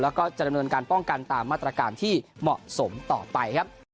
แล้วก็จะดำเนินการป้องกันตามมาตรการที่เหมาะสมต่อไปครับ